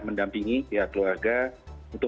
mendampingi pihak keluarga untuk